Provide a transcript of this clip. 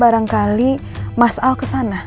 barangkali mas al kesana